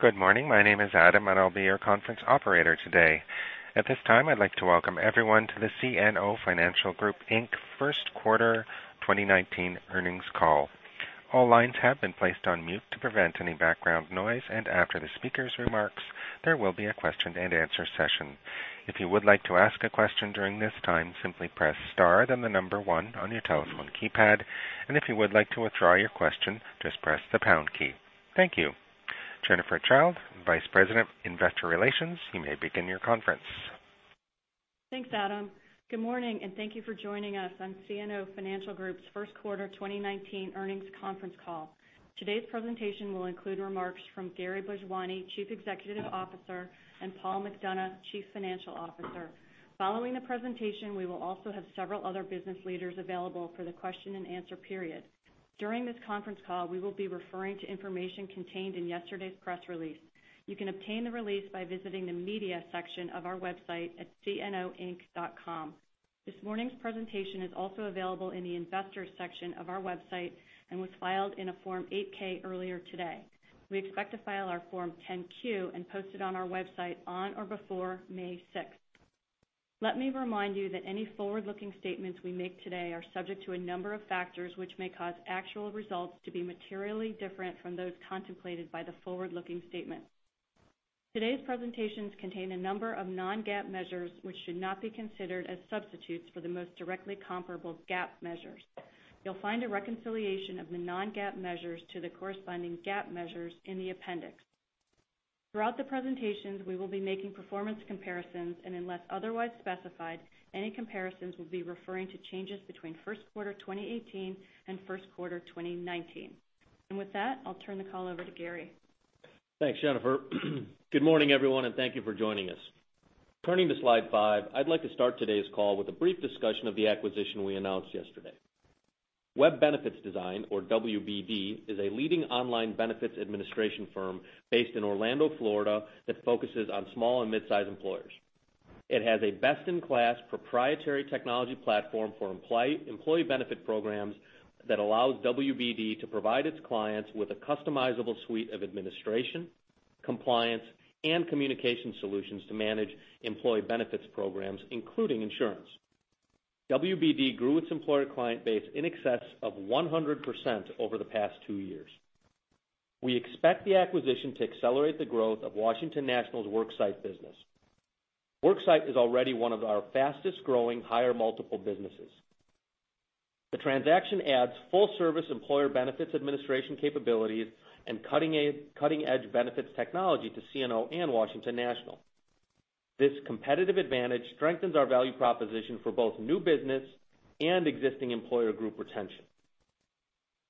Good morning. My name is Adam, I'll be your conference operator today. At this time, I'd like to welcome everyone to the CNO Financial Group Inc. First Quarter 2019 Earnings Call. All lines have been placed on mute to prevent any background noise, After the speaker's remarks, there will be a question and answer session. If you would like to ask a question during this time, simply press star, then the number one on your telephone keypad. If you would like to withdraw your question, just press the pound key. Thank you. Jennifer Childe, Vice President, Investor Relations, you may begin your conference. Thanks, Adam. Good morning. Thank you for joining us on CNO Financial Group's First Quarter 2019 Earnings Conference Call. Today's presentation will include remarks from Gary Bhojwani, Chief Executive Officer, and Paul McDonough, Chief Financial Officer. Following the presentation, we will also have several other business leaders available for the question and answer period. During this conference call, we will be referring to information contained in yesterday's press release. You can obtain the release by visiting the media section of our website at cnoinc.com. This morning's presentation is also available in the investors section of our website and was filed in a Form 8-K earlier today. We expect to file our Form 10-Q and post it on our website on or before May 6th. Let me remind you that any forward-looking statements we make today are subject to a number of factors which may cause actual results to be materially different from those contemplated by the forward-looking statement. Today's presentations contain a number of non-GAAP measures which should not be considered as substitutes for the most directly comparable GAAP measures. You'll find a reconciliation of the non-GAAP measures to the corresponding GAAP measures in the appendix. Throughout the presentations, we will be making performance comparisons, Unless otherwise specified, any comparisons will be referring to changes between First Quarter 2018 and First Quarter 2019. With that, I'll turn the call over to Gary. Thanks, Jennifer. Good morning, everyone. Thank you for joining us. Turning to slide five, I'd like to start today's call with a brief discussion of the acquisition we announced yesterday. Web Benefits Design, or WBD, is a leading online benefits administration firm based in Orlando, Florida, that focuses on small and mid-size employers. It has a best-in-class proprietary technology platform for employee benefit programs that allows WBD to provide its clients with a customizable suite of administration, compliance, and communication solutions to manage employee benefits programs, including insurance. WBD grew its employer client base in excess of 100% over the past two years. We expect the acquisition to accelerate the growth of Washington National's worksite business. Worksite is already one of our fastest-growing higher multiple businesses. The transaction adds full-service employer benefits administration capabilities and cutting-edge benefits technology to CNO and Washington National. This competitive advantage strengthens our value proposition for both new business and existing employer group retention.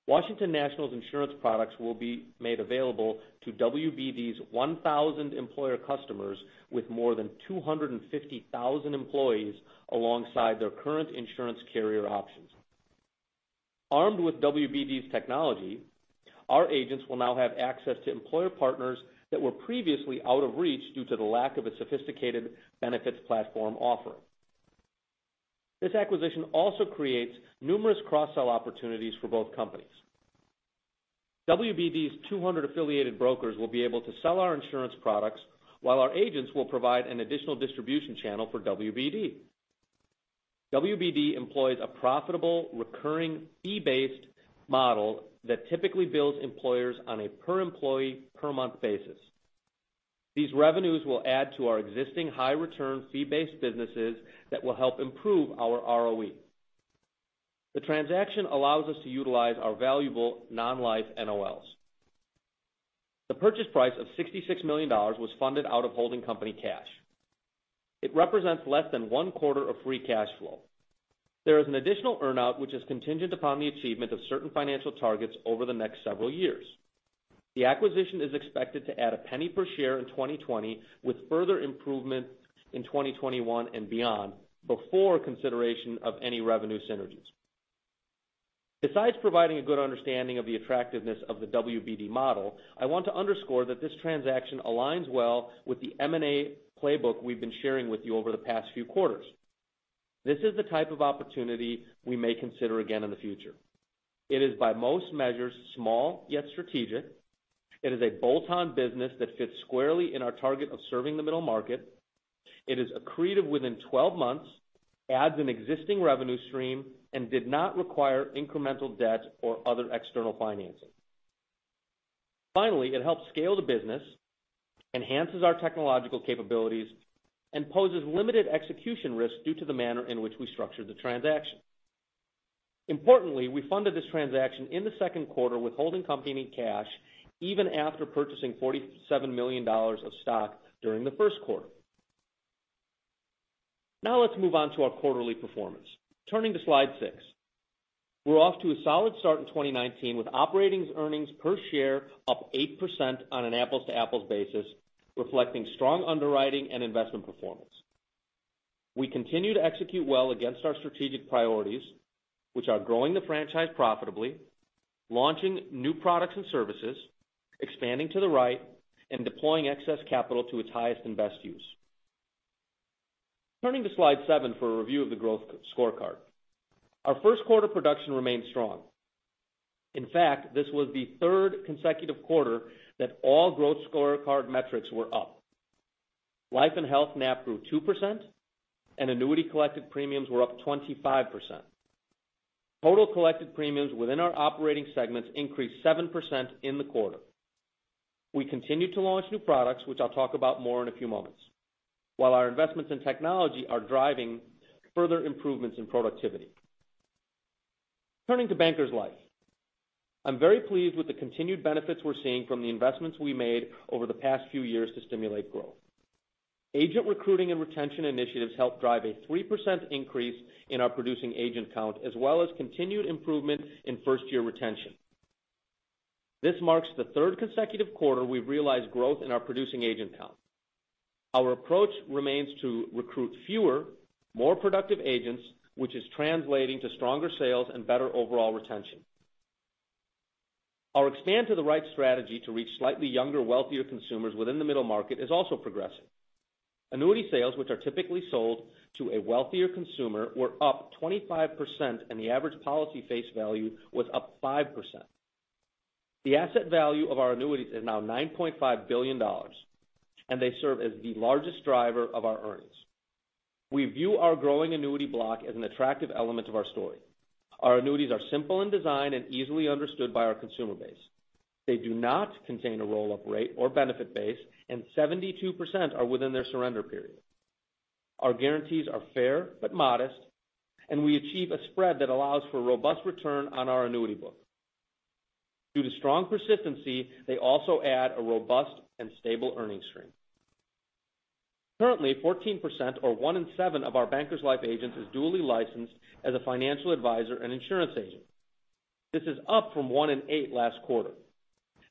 Washington National's insurance products will be made available to WBD's 1,000 employer customers with more than 250,000 employees alongside their current insurance carrier options. Armed with WBD's technology, our agents will now have access to employer partners that were previously out of reach due to the lack of a sophisticated benefits platform offering. This acquisition also creates numerous cross-sell opportunities for both companies. WBD's 200 affiliated brokers will be able to sell our insurance products while our agents will provide an additional distribution channel for WBD. WBD employs a profitable, recurring, fee-based model that typically bills employers on a per employee per month basis. These revenues will add to our existing high return fee-based businesses that will help improve our ROE. The transaction allows us to utilize our valuable non-life NOLs. The purchase price of $66 million was funded out of holding company cash. It represents less than one-quarter of free cash flow. There is an additional earn-out, which is contingent upon the achievement of certain financial targets over the next several years. The acquisition is expected to add a penny per share in 2020, with further improvement in 2021 and beyond, before consideration of any revenue synergies. Besides providing a good understanding of the attractiveness of the WBD model, I want to underscore that this transaction aligns well with the M&A playbook we've been sharing with you over the past few quarters. This is the type of opportunity we may consider again in the future. It is by most measures, small, yet strategic. It is a bolt-on business that fits squarely in our target of serving the middle market. It is accretive within 12 months, adds an existing revenue stream, and did not require incremental debt or other external financing. Finally, it helps scale the business, enhances our technological capabilities, and poses limited execution risk due to the manner in which we structured the transaction. Importantly, we funded this transaction in the second quarter with holding company cash, even after purchasing $47 million of stock during the first quarter. Now let's move on to our quarterly performance. Turning to slide six. We're off to a solid start in 2019 with operating earnings per share up 8% on an apples-to-apples basis, reflecting strong underwriting and investment performance. We continue to execute well against our strategic priorities, which are growing the franchise profitably, launching new products and services, expanding to the right, and deploying excess capital to its highest and best use. Turning to slide seven for a review of the growth scorecard. Our first quarter production remained strong. In fact, this was the third consecutive quarter that all growth scorecard metrics were up. Life and health NAP grew 2%, and annuity collected premiums were up 25%. Total collected premiums within our operating segments increased 7% in the quarter. We continue to launch new products, which I'll talk about more in a few moments, while our investments in technology are driving further improvements in productivity. Turning to Bankers Life. I'm very pleased with the continued benefits we're seeing from the investments we made over the past few years to stimulate growth. Agent recruiting and retention initiatives helped drive a 3% increase in our producing agent count, as well as continued improvement in first-year retention. This marks the third consecutive quarter we've realized growth in our producing agent count. Our approach remains to recruit fewer, more productive agents, which is translating to stronger sales and better overall retention. Our expand to the right strategy to reach slightly younger, wealthier consumers within the middle market is also progressing. Annuity sales, which are typically sold to a wealthier consumer, were up 25%, and the average policy face value was up 5%. The asset value of our annuities is now $9.5 billion, and they serve as the largest driver of our earnings. We view our growing annuity block as an attractive element of our story. Our annuities are simple in design and easily understood by our consumer base. They do not contain a roll-up rate or benefit base, and 72% are within their surrender period. Our guarantees are fair but modest, and we achieve a spread that allows for robust return on our annuity book. Due to strong persistency, they also add a robust and stable earnings stream. Currently, 14% or one in seven of our Bankers Life agents is duly licensed as a financial advisor and insurance agent. This is up from one in eight last quarter.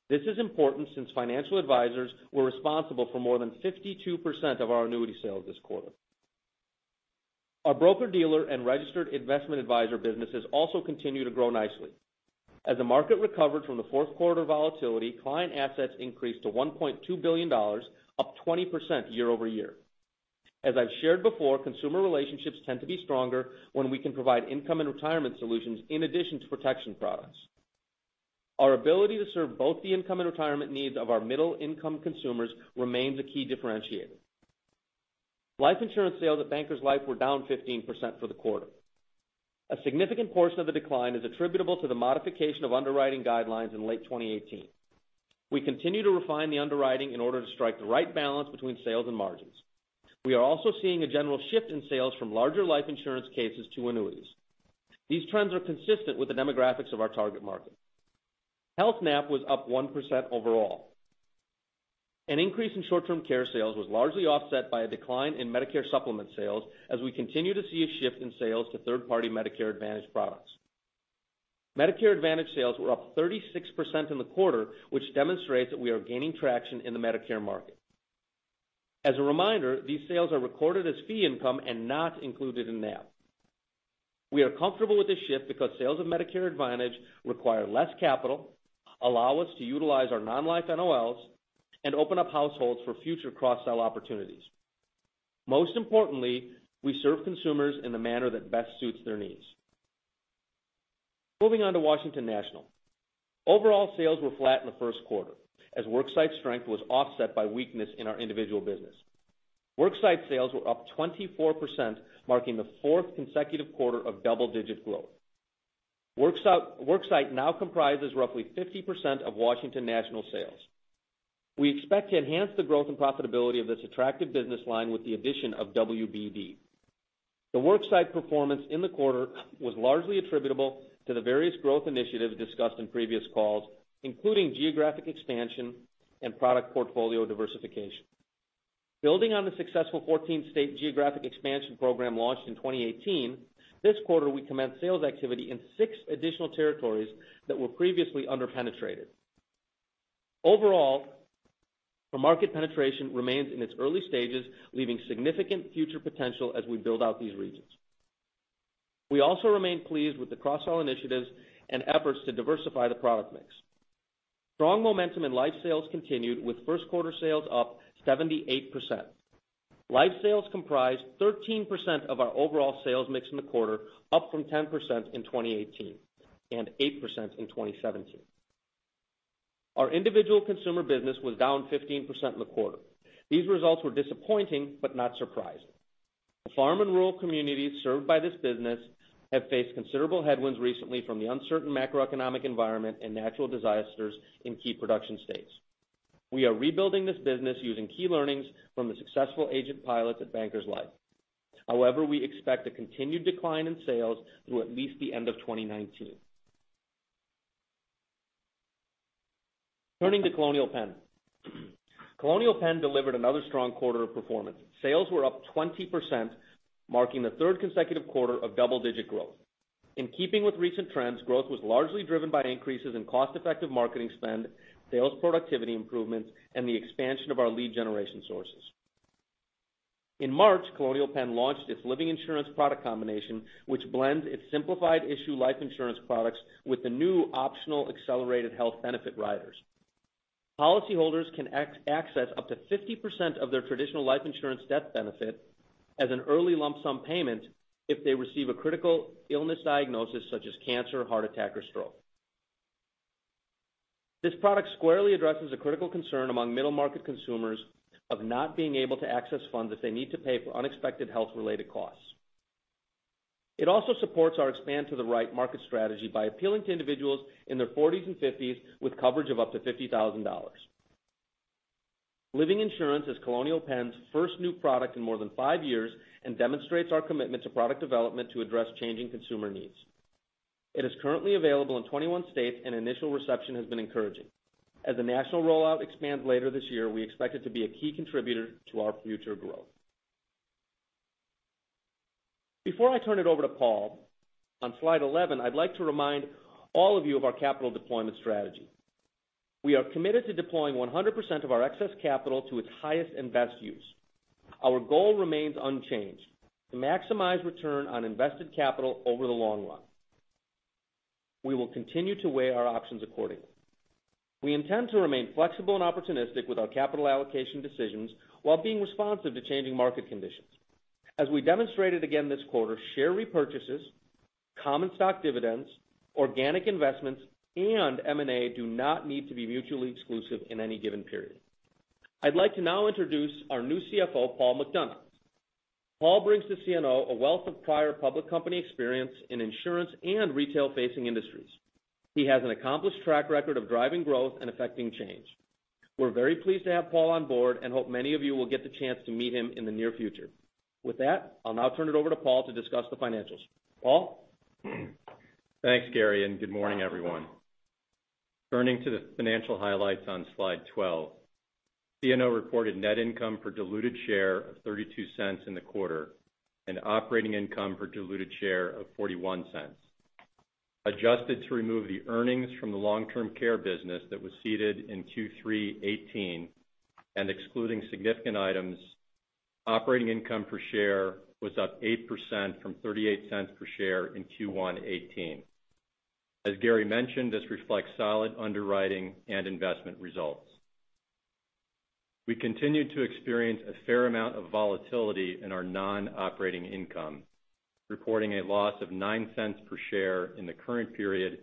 This is important since financial advisors were responsible for more than 52% of our annuity sales this quarter. Our broker-dealer and registered investment adviser businesses also continue to grow nicely. As the market recovered from the fourth quarter volatility, client assets increased to $1.2 billion, up 20% year-over-year. As I've shared before, consumer relationships tend to be stronger when we can provide income and retirement solutions in addition to protection products. Our ability to serve both the income and retirement needs of our middle-income consumers remains a key differentiator. Life insurance sales at Bankers Life were down 15% for the quarter. A significant portion of the decline is attributable to the modification of underwriting guidelines in late 2018. We continue to refine the underwriting in order to strike the right balance between sales and margins. We are also seeing a general shift in sales from larger life insurance cases to annuities. These trends are consistent with the demographics of our target market. Health NAP was up 1% overall. An increase in short-term care sales was largely offset by a decline in Medicare Supplement sales, as we continue to see a shift in sales to third-party Medicare Advantage products. Medicare Advantage sales were up 36% in the quarter, which demonstrates that we are gaining traction in the Medicare market. As a reminder, these sales are recorded as fee income and not included in NAP. We are comfortable with this shift because sales of Medicare Advantage require less capital, allow us to utilize our non-life NOLs, and open up households for future cross-sell opportunities. Most importantly, we serve consumers in the manner that best suits their needs. Moving on to Washington National. Overall sales were flat in the first quarter, as worksite strength was offset by weakness in our individual business. Worksite sales were up 24%, marking the fourth consecutive quarter of double-digit growth. Worksite now comprises roughly 50% of Washington National sales. We expect to enhance the growth and profitability of this attractive business line with the addition of WBD. The worksite performance in the quarter was largely attributable to the various growth initiatives discussed in previous calls, including geographic expansion and product portfolio diversification. Building on the successful 14-state geographic expansion program launched in 2018, this quarter, we commenced sales activity in six additional territories that were previously under-penetrated. Overall, the market penetration remains in its early stages, leaving significant future potential as we build out these regions. We also remain pleased with the cross-sell initiatives and efforts to diversify the product mix. Strong momentum in life sales continued, with first-quarter sales up 78%. Life sales comprised 13% of our overall sales mix in the quarter, up from 10% in 2018 and 8% in 2017. Our individual consumer business was down 15% in the quarter. These results were disappointing but not surprising. The farm and rural communities served by this business have faced considerable headwinds recently from the uncertain macroeconomic environment and natural disasters in key production states. We are rebuilding this business using key learnings from the successful agent pilot at Bankers Life. However, we expect a continued decline in sales through at least the end of 2019. Turning to Colonial Penn. Colonial Penn delivered another strong quarter of performance. Sales were up 20%, marking the third consecutive quarter of double-digit growth. In keeping with recent trends, growth was largely driven by increases in cost-effective marketing spend, sales productivity improvements, and the expansion of our lead generation sources. In March, Colonial Penn launched its Living Insurance product combination, which blends its simplified issue life insurance products with the new optional accelerated health benefit riders. Policyholders can access up to 50% of their traditional life insurance death benefit as an early lump sum payment if they receive a critical illness diagnosis such as cancer, heart attack, or stroke. This product squarely addresses a critical concern among middle-market consumers of not being able to access funds that they need to pay for unexpected health-related costs. It also supports our expand to the right market strategy by appealing to individuals in their 40s and 50s with coverage of up to $50,000. Living Insurance is Colonial Penn's first new product in more than five years and demonstrates our commitment to product development to address changing consumer needs. It is currently available in 21 states, and initial reception has been encouraging. As the national rollout expands later this year, we expect it to be a key contributor to our future growth. Before I turn it over to Paul, on slide 11, I'd like to remind all of you of our capital deployment strategy. We are committed to deploying 100% of our excess capital to its highest and best use. Our goal remains unchanged, to maximize return on invested capital over the long run. We will continue to weigh our options accordingly. We intend to remain flexible and opportunistic with our capital allocation decisions while being responsive to changing market conditions. As we demonstrated again this quarter, share repurchases, common stock dividends, organic investments, and M&A do not need to be mutually exclusive in any given period. I'd like to now introduce our new CFO, Paul McDonough. Paul brings to CNO a wealth of prior public company experience in insurance and retail-facing industries. He has an accomplished track record of driving growth and effecting change. We're very pleased to have Paul on board and hope many of you will get the chance to meet him in the near future. With that, I'll now turn it over to Paul to discuss the financials. Paul? Thanks, Gary, good morning, everyone. Turning to the financial highlights on slide 12. CNO reported net income per diluted share of $0.32 in the quarter operating income per diluted share of $0.41. Adjusted to remove the earnings from the long-term care business that was ceded in Q3 2018, excluding significant items, operating income per share was up 8% from $0.38 per share in Q1 2018. As Gary mentioned, this reflects solid underwriting and investment results. We continued to experience a fair amount of volatility in our non-operating income, reporting a loss of $0.09 per share in the current period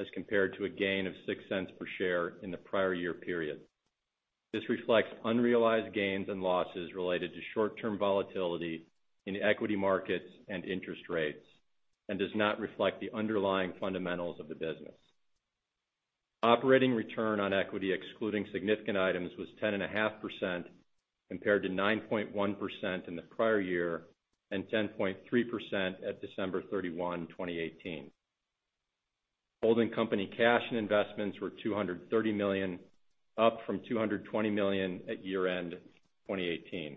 as compared to a gain of $0.06 per share in the prior year period. This reflects unrealized gains and losses related to short-term volatility in equity markets and interest rates does not reflect the underlying fundamentals of the business. Operating return on equity excluding significant items was 10.5% compared to 9.1% in the prior year 10.3% at December 31, 2018. Holding company cash and investments were $230 million, up from $220 million at year-end 2018.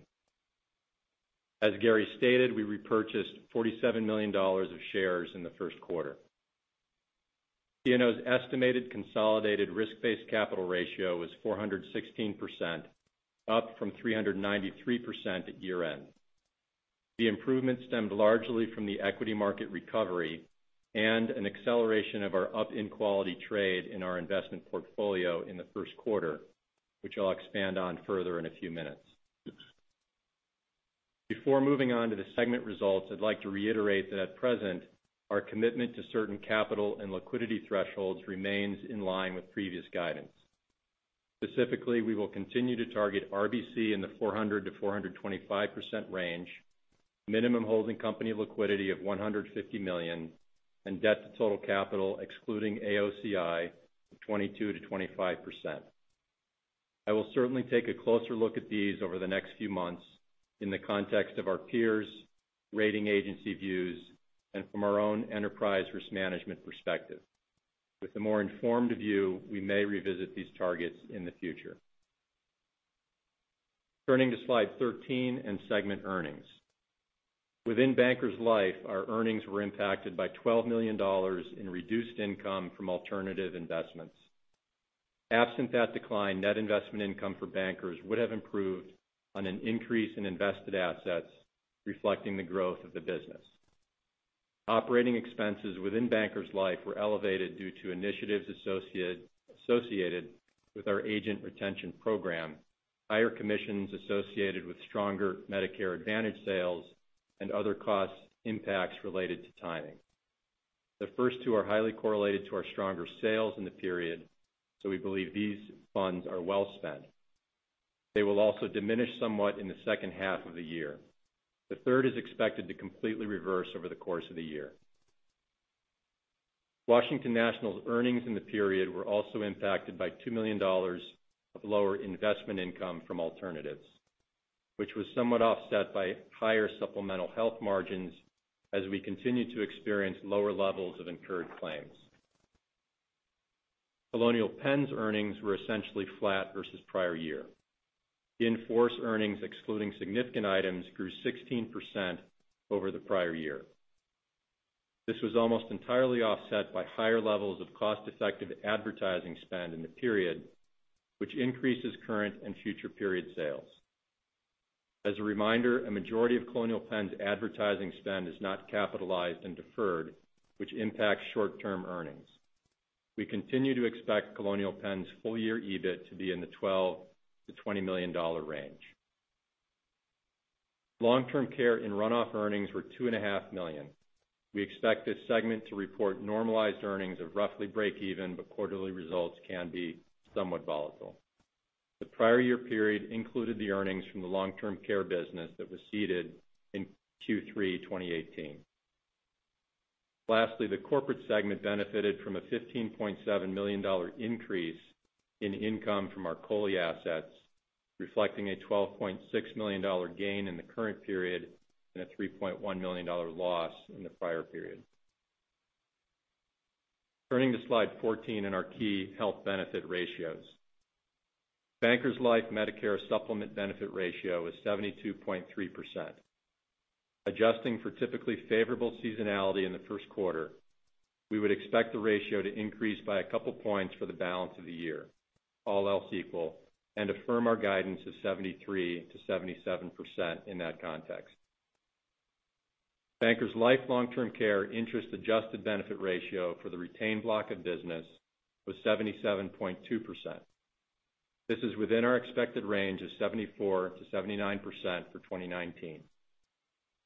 As Gary stated, we repurchased $47 million of shares in the first quarter. CNO's estimated consolidated risk-based capital ratio was 416%, up from 393% at year-end. The improvement stemmed largely from the equity market recovery an acceleration of our up-in-quality trade in our investment portfolio in the first quarter, which I'll expand on further in a few minutes. Before moving on to the segment results, I'd like to reiterate that at present, our commitment to certain capital and liquidity thresholds remains in line with previous guidance. Specifically, we will continue to target RBC in the 400%-425% range, minimum holding company liquidity of $150 million, debt to total capital excluding AOCI of 22%-25%. I will certainly take a closer look at these over the next few months in the context of our peers, rating agency views, from our own enterprise risk management perspective. With a more informed view, we may revisit these targets in the future. Turning to slide 13 segment earnings. Within Bankers Life, our earnings were impacted by $12 million in reduced income from alternative investments. Absent that decline, net investment income for Bankers would have improved on an increase in invested assets reflecting the growth of the business. Operating expenses within Bankers Life were elevated due to initiatives associated with our agent retention program, higher commissions associated with stronger Medicare Advantage sales, other cost impacts related to timing. The first two are highly correlated to our stronger sales in the period, we believe these funds are well spent. They will also diminish somewhat in the second half of the year. The third is expected to completely reverse over the course of the year. Washington National's earnings in the period were also impacted by $2 million of lower investment income from alternatives, which was somewhat offset by higher supplemental health margins as we continued to experience lower levels of incurred claims. Colonial Penn's earnings were essentially flat versus prior year. In-force earnings excluding significant items grew 16% over the prior year. This was almost entirely offset by higher levels of cost-effective advertising spend in the period, which increases current and future period sales. As a reminder, a majority of Colonial Penn's advertising spend is not capitalized and deferred, which impacts short-term earnings. We continue to expect Colonial Penn's full year EBIT to be in the $12 million to $20 million range. Long-term care and runoff earnings were $2.5 million. We expect this segment to report normalized earnings of roughly breakeven, but quarterly results can be somewhat volatile. The prior year period included the earnings from the long-term care business that was ceded in Q3 2018. Lastly, the corporate segment benefited from a $15.7 million increase in income from our COLI assets, reflecting a $12.6 million gain in the current period and a $3.1 million loss in the prior period. Turning to slide 14 and our key health benefit ratios. Bankers Life Medicare Supplement benefit ratio was 72.3%. Adjusting for typically favorable seasonality in the first quarter, we would expect the ratio to increase by a couple of points for the balance of the year, all else equal, and affirm our guidance of 73%-77% in that context. Bankers Life long-term care interest-adjusted benefit ratio for the retained block of business was 77.2%. This is within our expected range of 74%-79% for 2019.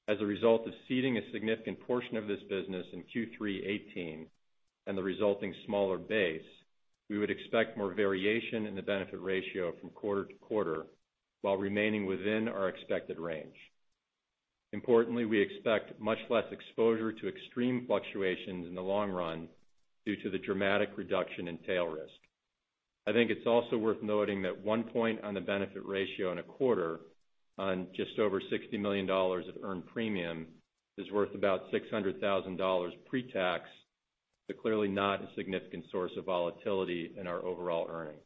As a result of ceding a significant portion of this business in Q3 2018 and the resulting smaller base, we would expect more variation in the benefit ratio from quarter to quarter while remaining within our expected range. Importantly, we expect much less exposure to extreme fluctuations in the long run due to the dramatic reduction in tail risk. I think it's also worth noting that one point on the benefit ratio in a quarter on just over $60 million of earned premium is worth about $600,000 pre-tax, but clearly not a significant source of volatility in our overall earnings.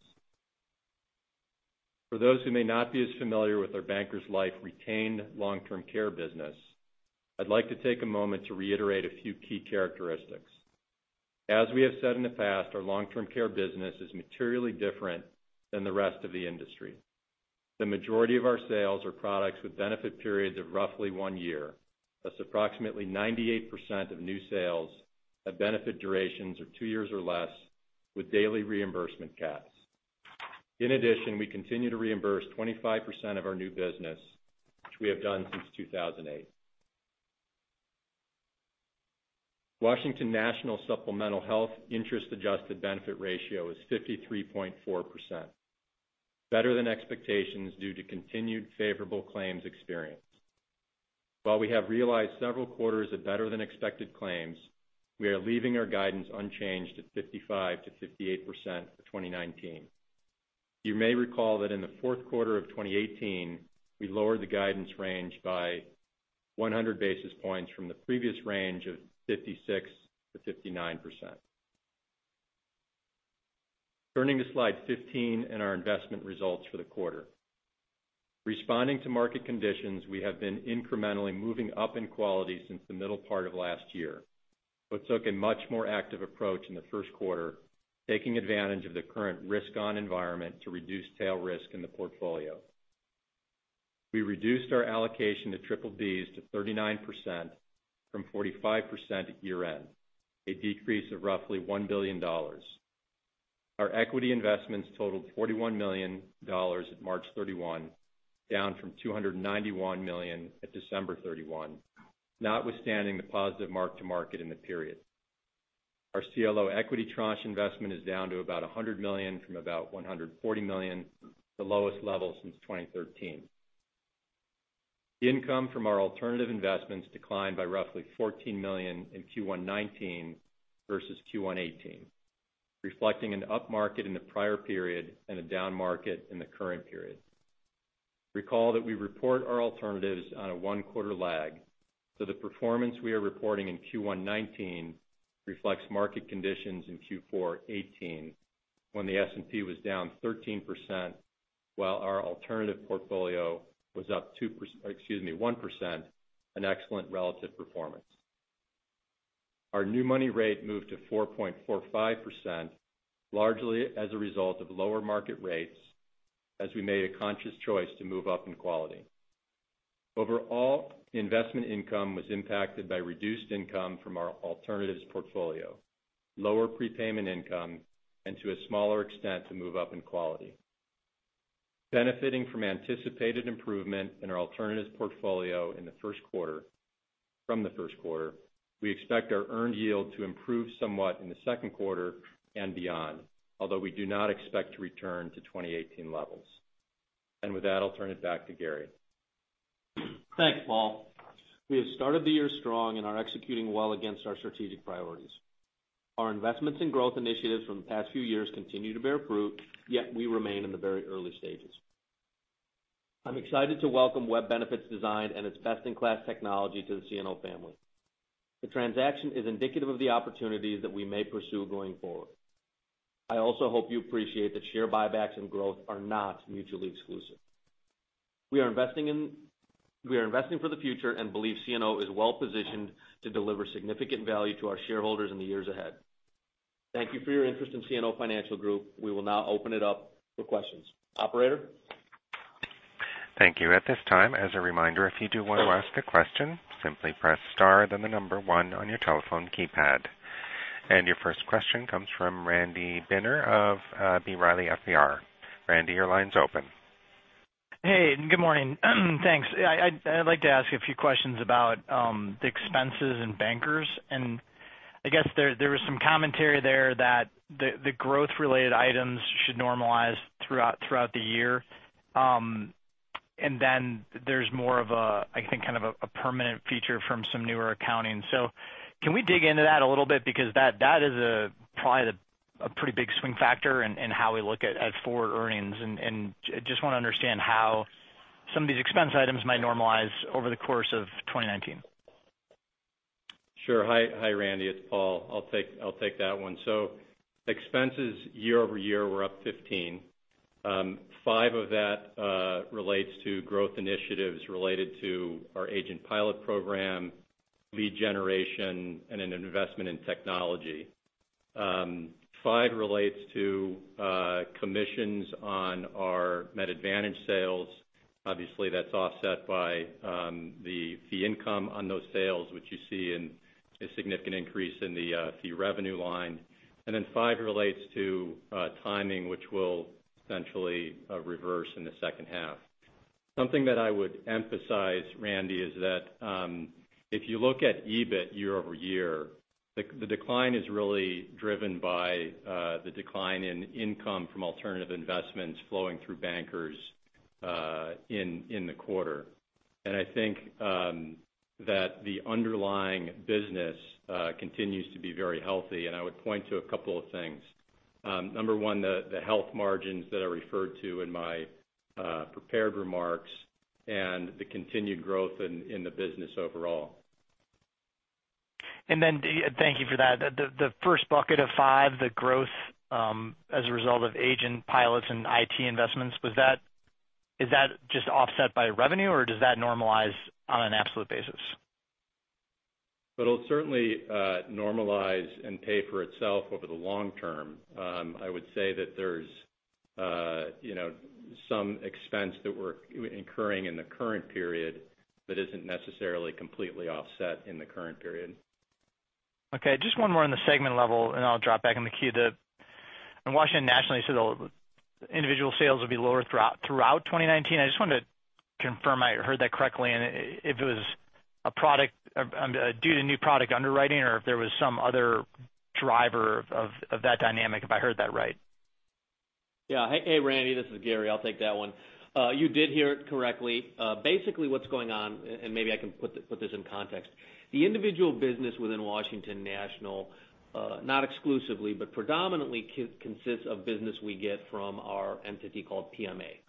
For those who may not be as familiar with our Bankers Life retained long-term care business, I'd like to take a moment to reiterate a few key characteristics. As we have said in the past, our long-term care business is materially different than the rest of the industry. The majority of our sales are products with benefit periods of roughly one year. Thus, approximately 98% of new sales have benefit durations of two years or less with daily reimbursement caps. In addition, we continue to reimburse 25% of our new business, which we have done since 2008. Washington National Supplemental Health interest-adjusted benefit ratio is 53.4%, better than expectations due to continued favorable claims experience. While we have realized several quarters of better than expected claims, we are leaving our guidance unchanged at 55%-58% for 2019. You may recall that in the fourth quarter of 2018, we lowered the guidance range by 100 basis points from the previous range of 56%-59%. Turning to slide 15 and our investment results for the quarter. Responding to market conditions, we have been incrementally moving up in quality since the middle part of last year, but took a much more active approach in the first quarter, taking advantage of the current risk-on environment to reduce tail risk in the portfolio. We reduced our allocation to BBBs to 39% from 45% at year-end, a decrease of roughly $1 billion. Our equity investments totaled $41 million at March 31, down from $291 million at December 31, notwithstanding the positive mark to market in the period. Our CLO equity tranche investment is down to about $100 million from about $140 million, the lowest level since 2013. Income from our alternative investments declined by roughly $14 million in Q1 2019 versus Q1 2018, reflecting an upmarket in the prior period and a down market in the current period. Recall that we report our alternatives on a one-quarter lag, so the performance we are reporting in Q1 2019 reflects market conditions in Q4 2018, when the S&P was down 13%, while our alternative portfolio was up 1%, an excellent relative performance. Our new money rate moved to 4.45%, largely as a result of lower market rates, as we made a conscious choice to move up in quality. Overall, investment income was impacted by reduced income from our alternatives portfolio, lower prepayment income, and to a smaller extent, to move up in quality. Benefiting from anticipated improvement in our alternatives portfolio from the first quarter, we expect our earned yield to improve somewhat in the second quarter and beyond, although we do not expect to return to 2018 levels. With that, I'll turn it back to Gary. Thanks, Paul. We have started the year strong and are executing well against our strategic priorities. Our investments in growth initiatives from the past few years continue to bear fruit, yet we remain in the very early stages. I'm excited to welcome Web Benefits Design and its best-in-class technology to the CNO family. The transaction is indicative of the opportunities that we may pursue going forward. I also hope you appreciate that share buybacks and growth are not mutually exclusive. We are investing for the future and believe CNO is well-positioned to deliver significant value to our shareholders in the years ahead. Thank you for your interest in CNO Financial Group. We will now open it up for questions. Operator? Thank you. At this time, as a reminder, if you do want to ask a question, simply press star then the number 1 on your telephone keypad. Your first question comes from Randy Binner of B. Riley FBR. Randy, your line's open. Hey, good morning. Thanks. I'd like to ask a few questions about the expenses in Bankers. I guess there was some commentary there that the growth-related items should normalize throughout the year. Then there's more of a, I think, kind of a permanent feature from some newer accounting. Can we dig into that a little bit? Because that is probably a pretty big swing factor in how we look at forward earnings. Just want to understand how some of these expense items might normalize over the course of 2019. Sure. Hi, Randy. It's Paul. I'll take that one. Expenses year-over-year were up 15%. 5% of that relates to growth initiatives related to our agent pilot program, lead generation, and an investment in technology. 5% relates to commissions on our Medicare Advantage sales. Obviously, that's offset by the fee income on those sales, which you see in a significant increase in the fee revenue line. 5% relates to timing, which will essentially reverse in the second half. Something that I would emphasize, Randy, is that, if you look at EBIT year-over-year, the decline is really driven by the decline in income from alternative investments flowing through Bankers in the quarter. I think that the underlying business continues to be very healthy, and I would point to a couple of things. Number 1, the health margins that I referred to in my prepared remarks and the continued growth in the business overall. Thank you for that. The first bucket of five, the growth as a result of agent pilots and IT investments, is that just offset by revenue, or does that normalize on an absolute basis? It'll certainly normalize and pay for itself over the long term. I would say that there's some expense that we're incurring in the current period that isn't necessarily completely offset in the current period. Okay, just one more on the segment level, and I'll drop back in the queue. In Washington National, you said the individual sales will be lower throughout 2019. I just wanted to confirm I heard that correctly and if it was due to new product underwriting or if there was some other driver of that dynamic, if I heard that right. Yeah. Hey, Randy, this is Gary. I'll take that one. You did hear it correctly. Basically, what's going on, maybe I can put this in context. The individual business within Washington National, not exclusively but predominantly consists of business we get from our entity called PMA.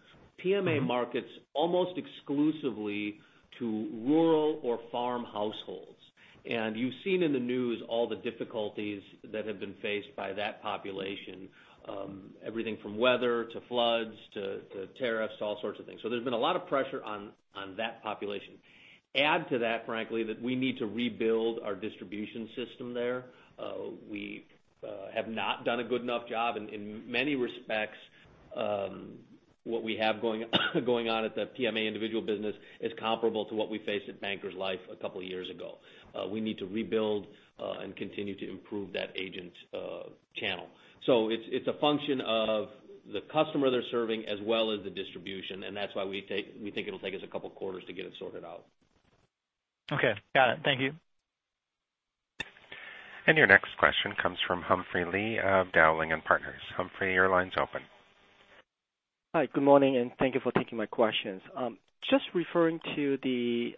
PMA markets almost exclusively to rural or farm households. You've seen in the news all the difficulties that have been faced by that population, everything from weather to floods to tariffs to all sorts of things. There's been a lot of pressure on that population. Add to that, frankly, that we need to rebuild our distribution system there. We have not done a good enough job. In many respects, what we have going on at the PMA individual business is comparable to what we faced at Bankers Life a couple of years ago. We need to rebuild and continue to improve that agent channel. It's a function of the customer they're serving as well as the distribution, and that's why we think it'll take us a couple of quarters to get it sorted out. Okay. Got it. Thank you. Your next question comes from Humphrey Lee of Dowling & Partners. Humphrey, your line's open. Hi, good morning, and thank you for taking my questions. Just referring to the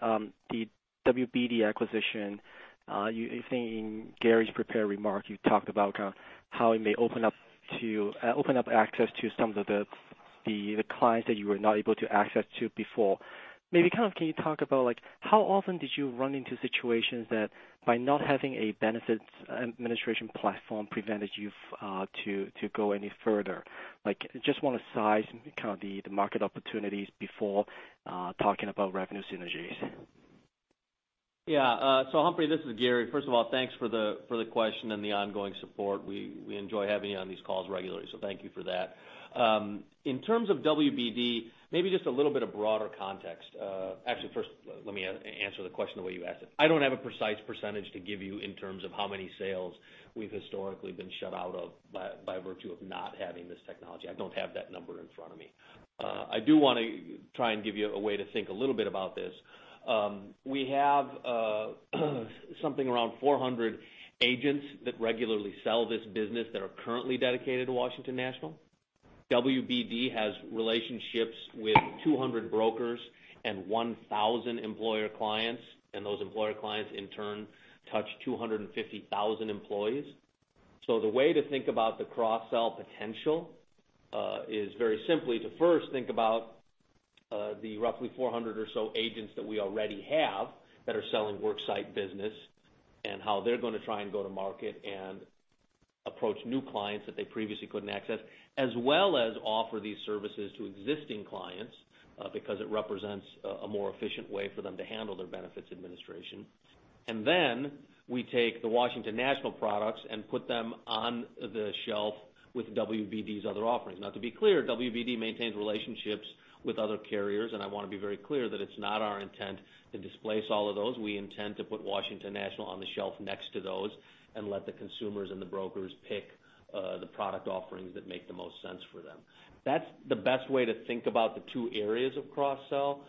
WBD acquisition. I think in Gary's prepared remark, you talked about kind of how it may open up access to some of the clients that you were not able to access before. Maybe kind of can you talk about how often did you run into situations that by not having a benefits administration platform prevented you to go any further? Just want to size kind of the market opportunities before talking about revenue synergies. Yeah. Humphrey, this is Gary. First of all, thanks for the question and the ongoing support. We enjoy having you on these calls regularly, so thank you for that. In terms of WBD, maybe just a little bit of broader context. Actually, first let me answer the question the way you asked it. I don't have a precise percentage to give you in terms of how many sales we've historically been shut out of by virtue of not having this technology. I don't have that number in front of me. I do want to try and give you a way to think a little bit about this. We have something around 400 agents that regularly sell this business that are currently dedicated to Washington National. WBD has relationships with 200 brokers and 1,000 employer clients, and those employer clients, in turn, touch 250,000 employees. The way to think about the cross-sell potential is very simply to first think about the roughly 400 or so agents that we already have that are selling worksite business and how they're going to try and go to market and approach new clients that they previously couldn't access, as well as offer these services to existing clients Because it represents a more efficient way for them to handle their benefits administration. We take the Washington National products and put them on the shelf with WBD's other offerings. To be clear, WBD maintains relationships with other carriers, and I want to be very clear that it's not our intent to displace all of those. We intend to put Washington National on the shelf next to those and let the consumers and the brokers pick the product offerings that make the most sense for them. That's the best way to think about the two areas of cross-sell.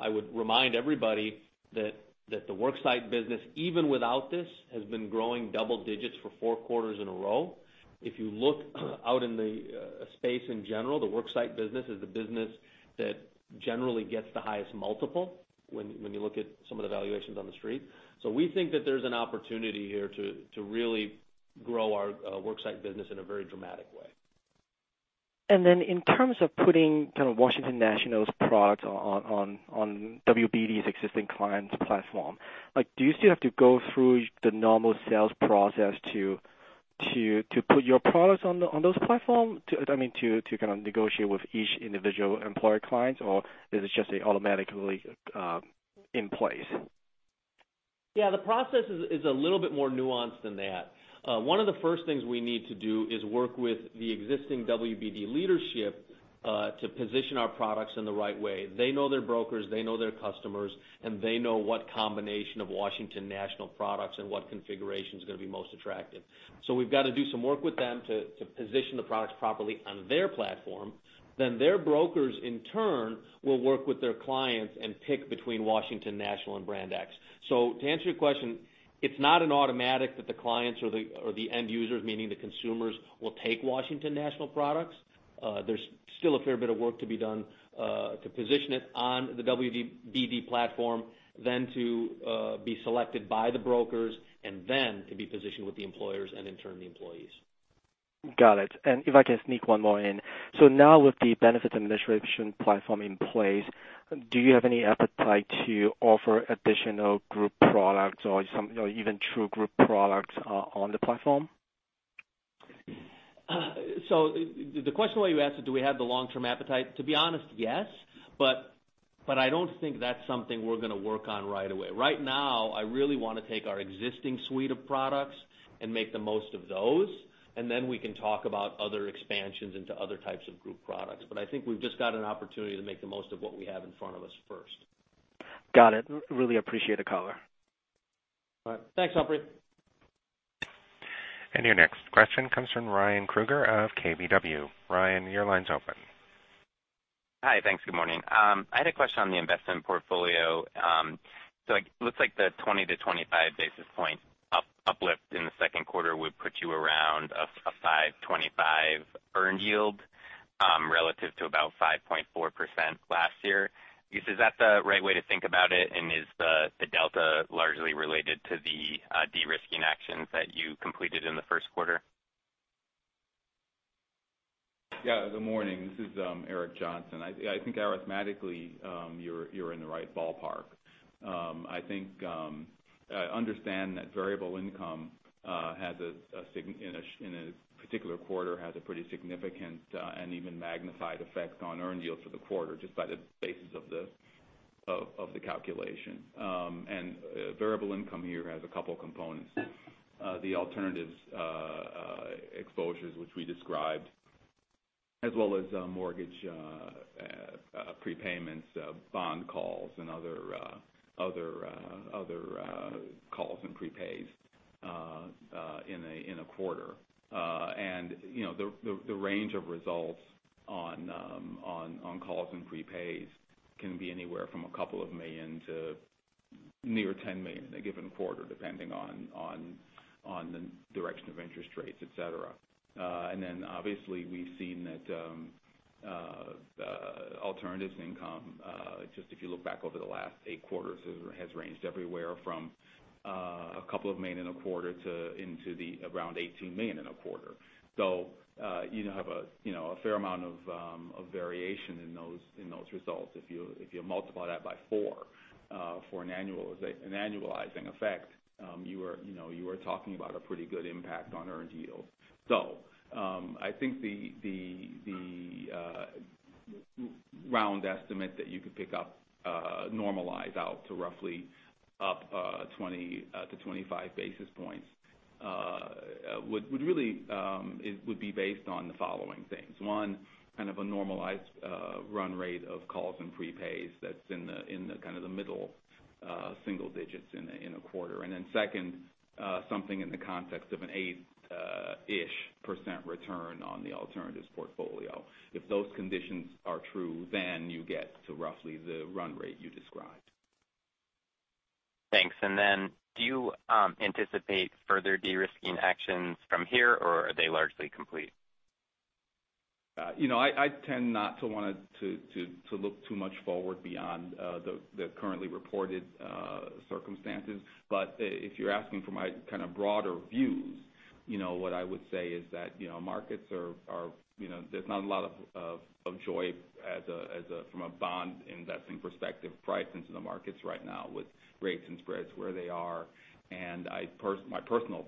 I would remind everybody that the worksite business, even without this, has been growing double digits for four quarters in a row. If you look out in the space in general, the worksite business is the business that generally gets the highest multiple when you look at some of the valuations on the street. We think that there's an opportunity here to really grow our worksite business in a very dramatic way. In terms of putting kind of Washington National's products on WBD's existing client platform, do you still have to go through the normal sales process to put your products on those platforms? I mean, to kind of negotiate with each individual employer client, or is it just automatically in place? Yeah, the process is a little bit more nuanced than that. One of the first things we need to do is work with the existing WBD leadership to position our products in the right way. They know their brokers, they know their customers, and they know what combination of Washington National products and what configuration is going to be most attractive. We've got to do some work with them to position the products properly on their platform. Their brokers, in turn, will work with their clients and pick between Washington National and brand X. To answer your question, it's not an automatic that the clients or the end users, meaning the consumers, will take Washington National products. There's still a fair bit of work to be done to position it on the WBD platform, then to be selected by the brokers, and then to be positioned with the employers and, in turn, the employees. Got it. If I can sneak one more in. Now with the benefits administration platform in place, do you have any appetite to offer additional group products or even true group products on the platform? The question the way you asked it, do we have the long-term appetite? To be honest, yes. I don't think that's something we're going to work on right away. Right now, I really want to take our existing suite of products and make the most of those, then we can talk about other expansions into other types of group products. I think we've just got an opportunity to make the most of what we have in front of us first. Got it. Really appreciate the call. All right. Thanks, Humphrey. Your next question comes from Ryan Krueger of KBW. Ryan, your line's open. Hi. Thanks. Good morning. I had a question on the investment portfolio. It looks like the 20-25 basis points uplift in the second quarter would put you around a 5.25% earned yield relative to about 5.4% last year. Is that the right way to think about it? Is the delta largely related to the de-risking actions that you completed in the first quarter? Yeah. Good morning. This is Eric Johnson. I think arithmetically you're in the right ballpark. I understand that variable income in a particular quarter has a pretty significant and even magnified effect on earned yields for the quarter, just by the basis of the calculation. Variable income here has a couple components. The alternatives exposures which we described, as well as mortgage prepayments, bond calls, and other calls and prepays in a quarter. The range of results on calls and prepays can be anywhere from a couple of million to near $10 million in a given quarter, depending on the direction of interest rates, et cetera. Obviously, we've seen that alternatives income, just if you look back over the last eight quarters, has ranged everywhere from a couple of million in a quarter into around $18 million in a quarter. You now have a fair amount of variation in those results. If you multiply that by four for an annualizing effect, you are talking about a pretty good impact on earned yield. I think the round estimate that you could pick up, normalized out to roughly up 20-25 basis points, would be based on the following things. One, kind of a normalized run rate of calls and prepays that's in the middle single digits in a quarter. Second, something in the context of an eight-ish percent return on the alternatives portfolio. If those conditions are true, then you get to roughly the run rate you described. Thanks. Do you anticipate further de-risking actions from here, or are they largely complete? I tend not to want to look too much forward beyond the currently reported circumstances. If you're asking for my kind of broader views, what I would say is that there's not a lot of joy from a bond Investing perspective price into the markets right now with rates and spreads where they are. My personal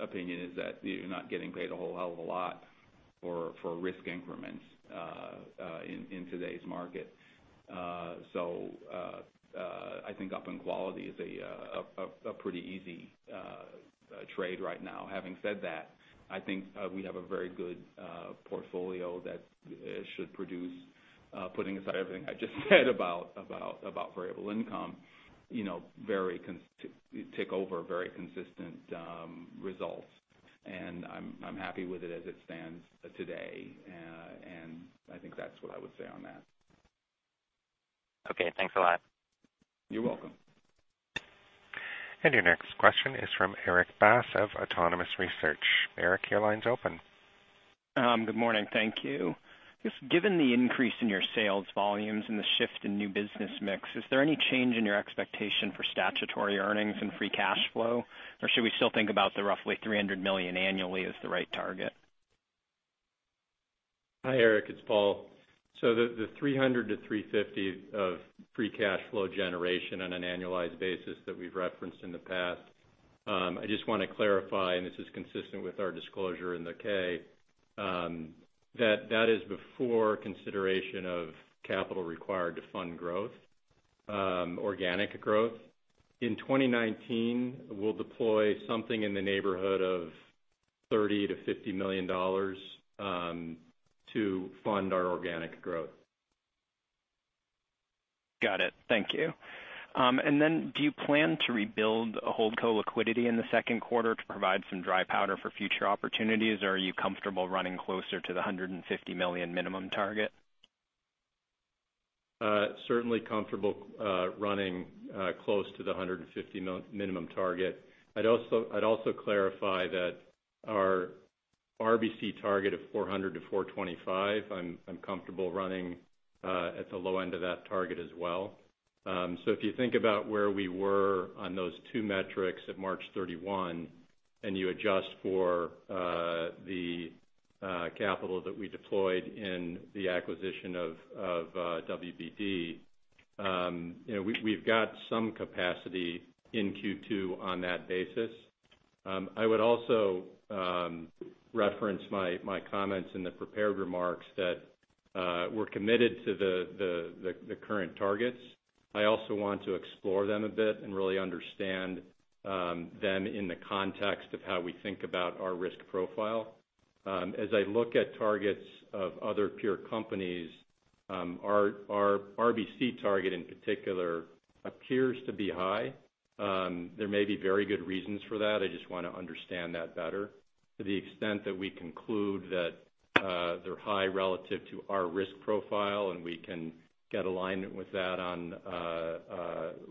opinion is that you're not getting paid a whole hell of a lot for risk increments in today's market. I think up in quality is a pretty easy trade right now. Having said that, I think we have a very good portfolio that should produce, putting aside everything I just said about variable income, tick over very consistent results. I'm happy with it as it stands today. I think that's what I would say on that. Okay. Thanks a lot. You're welcome. Your next question is from Erik Bass of Autonomous Research. Erik, your line's open. Good morning. Thank you. Just given the increase in your sales volumes and the shift in new business mix, is there any change in your expectation for statutory earnings and free cash flow? Or should we still think about the roughly $300 million annually as the right target? Hi, Erik, it's Paul. The $300-$350 of free cash flow generation on an annualized basis that we've referenced in the past, I just want to clarify, and this is consistent with our disclosure in the 10-K, that that is before consideration of capital required to fund growth, organic growth. In 2019, we'll deploy something in the neighborhood of $30 million to $50 million to fund our organic growth. Got it. Thank you. Do you plan to rebuild a holdco liquidity in the second quarter to provide some dry powder for future opportunities? Or are you comfortable running closer to the $150 million minimum target? Certainly comfortable running close to the 150 minimum target. I would also clarify that our RBC target of 400-425, I am comfortable running at the low end of that target as well. If you think about where we were on those two metrics at March 31, and you adjust for the capital that we deployed in the acquisition of WBD, we have got some capacity in Q2 on that basis. I would also reference my comments in the prepared remarks that we are committed to the current targets. I also want to explore them a bit and really understand them in the context of how we think about our risk profile. As I look at targets of other peer companies, our RBC target in particular appears to be high. There may be very good reasons for that. I just want to understand that better. To the extent that we conclude that they are high relative to our risk profile, and we can get alignment with that on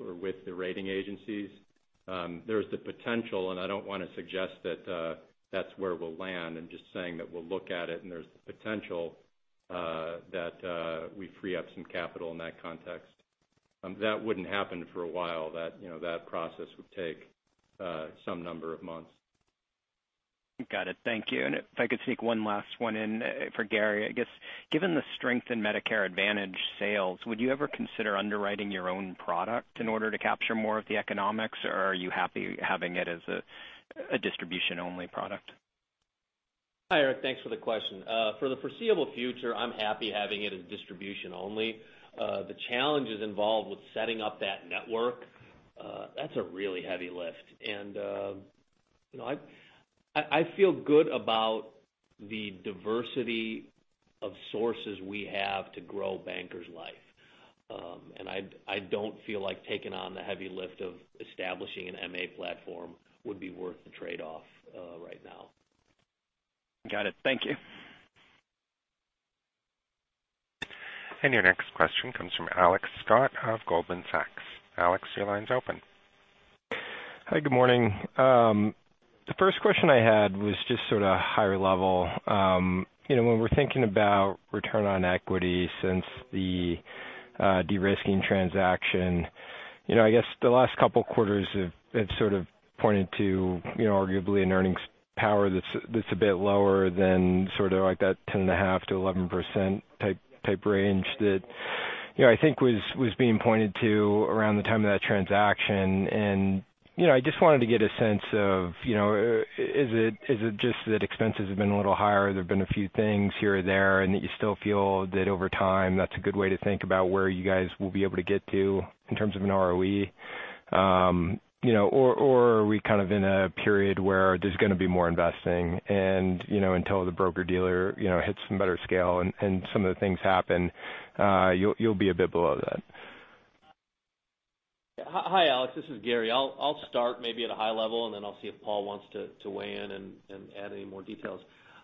or with the rating agencies. There is the potential, and I do not want to suggest that that is where we will land. I am just saying that we will look at it and there is the potential that we free up some capital in that context. That would not happen for a while. That process would take some number of months. Got it. Thank you. If I could sneak one last one in for Gary. I guess, given the strength in Medicare Advantage sales, would you ever consider underwriting your own product in order to capture more of the economics? Or are you happy having it as a distribution-only product? Hi, Erik. Thanks for the question. For the foreseeable future, I am happy having it as distribution only. The challenges involved with setting up that network, that is a really heavy lift. I feel good about the diversity of sources we have to grow Bankers Life. I do not feel like taking on the heavy lift of establishing an MA platform would be worth the trade-off right now. Got it. Thank you. Your next question comes from Alex Scott of Goldman Sachs. Alex, your line's open. Hi, good morning. The first question I had was just sort of higher level. When we're thinking about return on equity since the de-risking transaction, I guess the last couple quarters have sort of pointed to arguably an earnings power that's a bit lower than sort of like that 10.5%-11% type range that I think was being pointed to around the time of that transaction. I just wanted to get a sense of, is it just that expenses have been a little higher, there have been a few things here or there, and that you still feel that over time that's a good way to think about where you guys will be able to get to in terms of an ROE? Are we kind of in a period where there's going to be more investing and until the broker-dealer hits some better scale and some of the things happen you'll be a bit below that? Hi, Alex. This is Gary. I'll start maybe at a high level, and then I'll see if Paul wants to weigh in and add any more details.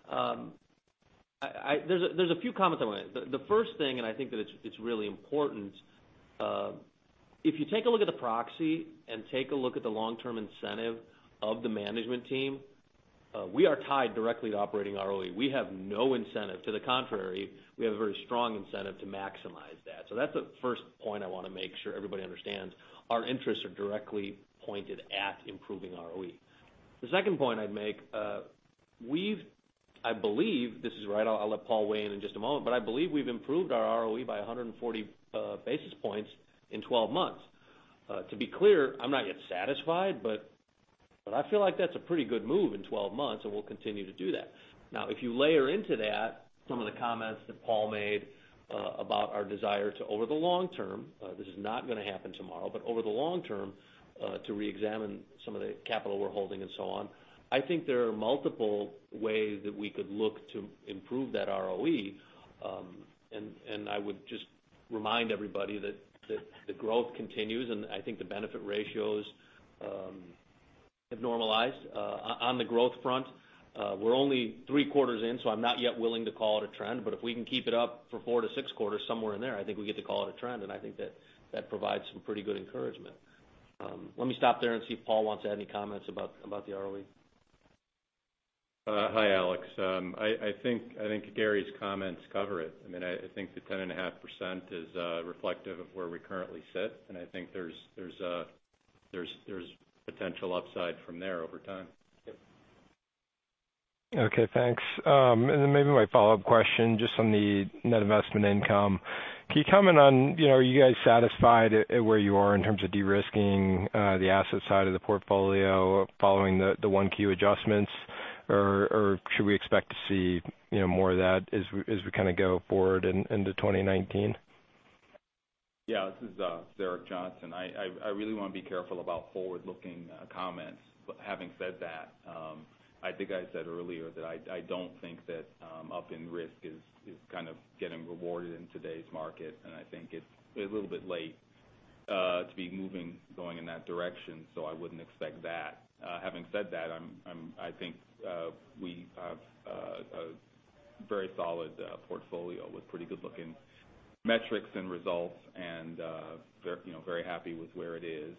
There's a few comments I want to make. The first thing, I think that it's really important, if you take a look at the proxy and take a look at the long-term incentive of the management team, we are tied directly to operating ROE. We have no incentive. To the contrary, we have a very strong incentive to maximize that. That's the first point I want to make sure everybody understands. Our interests are directly pointed at improving ROE. The second point I'd make, we've I believe this is right. I'll let Paul weigh in in just a moment, but I believe we've improved our ROE by 140 basis points in 12 months. To be clear, I'm not yet satisfied, but I feel like that's a pretty good move in 12 months, and we'll continue to do that. If you layer into that some of the comments that Paul made about our desire to, over the long term, this is not going to happen tomorrow, but over the long term, to reexamine some of the capital we're holding and so on. I think there are multiple ways that we could look to improve that ROE. I would just remind everybody that the growth continues, and I think the benefit ratios have normalized. On the growth front, we're only three quarters in, so I'm not yet willing to call it a trend, but if we can keep it up for four to six quarters, somewhere in there, I think we get to call it a trend. I think that provides some pretty good encouragement. Let me stop there and see if Paul wants to add any comments about the ROE. Hi, Alex. I think Gary's comments cover it. I think the 10.5% is reflective of where we currently sit, and I think there's potential upside from there over time. Yep. Okay, thanks. Maybe my follow-up question, just on the net investment income. Can you comment on, are you guys satisfied at where you are in terms of de-risking the asset side of the portfolio following the 1Q adjustments? Should we expect to see more of that as we go forward into 2019? Yeah. This is Eric Johnson. I really want to be careful about forward-looking comments. Having said that, I think I said earlier that I don't think that up in risk is getting rewarded in today's market, and I think it's a little bit late to be moving, going in that direction. I wouldn't expect that. Having said that, I think we have a very solid portfolio with pretty good-looking metrics and results and very happy with where it is.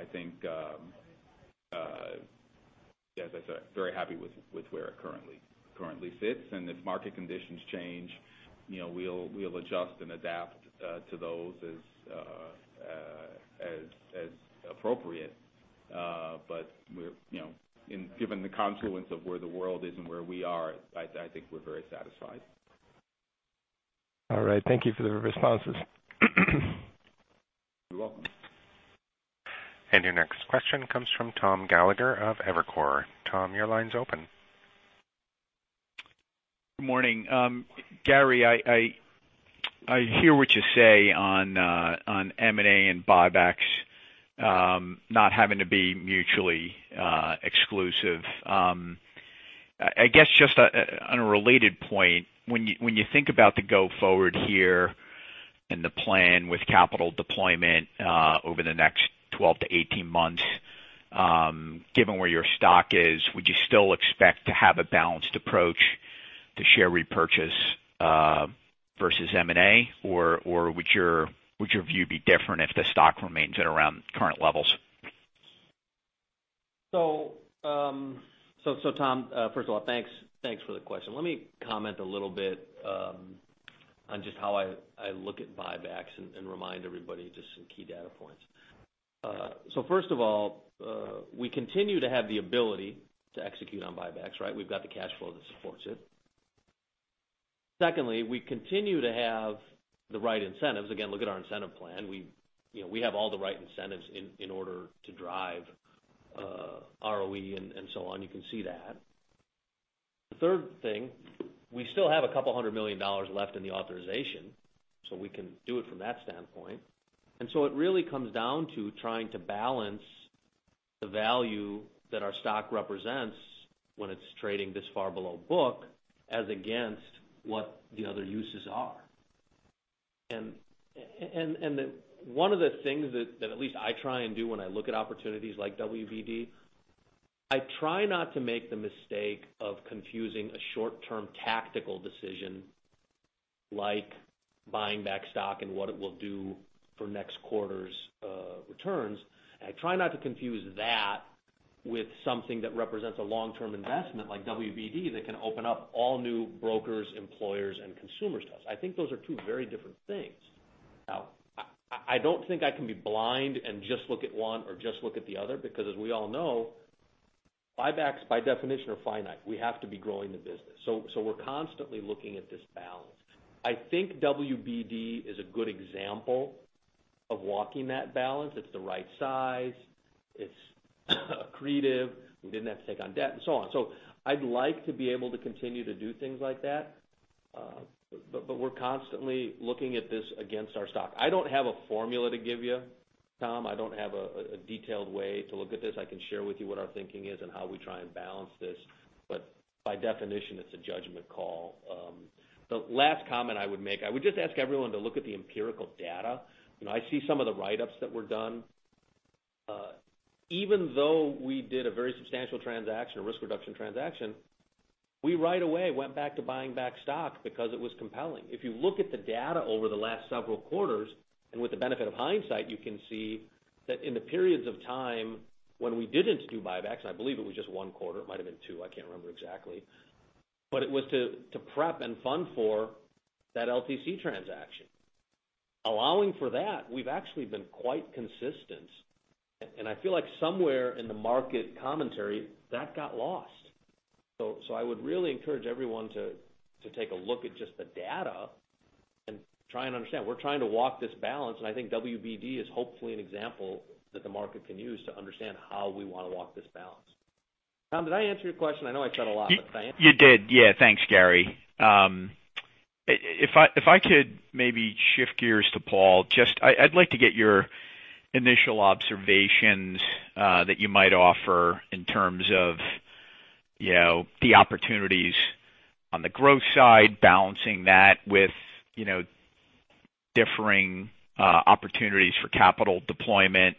As I said, very happy with where it currently sits. If market conditions change, we'll adjust and adapt to those as appropriate. Given the confluence of where the world is and where we are, I think we're very satisfied. All right. Thank you for the responses. You're welcome. Your next question comes from Thomas Gallagher of Evercore. Tom, your line's open. Good morning. Gary, I hear what you say on M&A and buybacks not having to be mutually exclusive. I guess just on a related point, when you think about the go forward here and the plan with capital deployment over the next 12-18 months, given where your stock is, would you still expect to have a balanced approach to share repurchase versus M&A, or would your view be different if the stock remains at around current levels? Tom, first of all, thanks for the question. Let me comment a little bit on just how I look at buybacks and remind everybody just some key data points. First of all, we continue to have the ability to execute on buybacks, right? We've got the cash flow that supports it. Secondly, we continue to have the right incentives. Again, look at our incentive plan. We have all the right incentives in order to drive ROE and so on. You can see that. The third thing, we still have a couple of hundred million dollars left in the authorization, so we can do it from that standpoint. It really comes down to trying to balance the value that our stock represents when it's trading this far below book as against what the other uses are. One of the things that at least I try and do when I look at opportunities like WBD, I try not to make the mistake of confusing a short-term tactical decision like buying back stock and what it will do for next quarter's returns. I try not to confuse that with something that represents a long-term investment like WBD that can open up all new brokers, employers, and consumers to us. I think those are two very different things. I don't think I can be blind and just look at one or just look at the other because as we all know, buybacks by definition are finite. We have to be growing the business. We're constantly looking at this balance. I think WBD is a good example of walking that balance. It's the right size. It's accretive. We didn't have to take on debt and so on. I'd like to be able to continue to do things like that. We're constantly looking at this against our stock. I don't have a formula to give you, Tom. I don't have a detailed way to look at this. I can share with you what our thinking is and how we try and balance this. By definition, it's a judgment call. The last comment I would make, I would just ask everyone to look at the empirical data. I see some of the write-ups that were done. Even though we did a very substantial transaction, a risk reduction transaction, we right away went back to buying back stock because it was compelling. If you look at the data over the last several quarters, with the benefit of hindsight, you can see that in the periods of time when we didn't do buybacks, I believe it was just one quarter, it might have been two, I can't remember exactly. It was to prep and fund for that LTC transaction. Allowing for that, we've actually been quite consistent. I feel like somewhere in the market commentary, that got lost. I would really encourage everyone to take a look at just the data and try and understand. We're trying to walk this balance, and I think WBD is hopefully an example that the market can use to understand how we want to walk this balance. Tom, did I answer your question? I know I said a lot, but did I answer? You did. Yeah. Thanks, Gary. I could maybe shift gears to Paul. I'd like to get your initial observations that you might offer in terms of the opportunities on the growth side, balancing that with differing opportunities for capital deployment.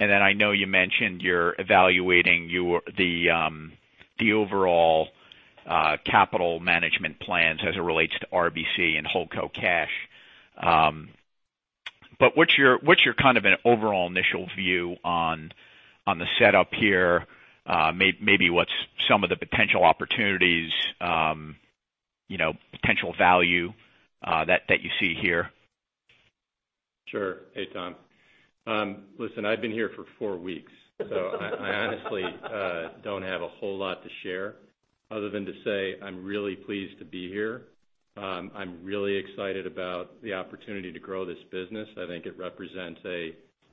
I know you mentioned you're evaluating the overall capital management plans as it relates to RBC and holdco cash. What's your kind of an overall initial view on the setup here? Maybe what's some of the potential opportunities, potential value that you see here? Sure. Hey, Tom. Listen, I've been here for four weeks. I honestly don't have a whole lot to share other than to say, I'm really pleased to be here. I'm really excited about the opportunity to grow this business. I think it represents a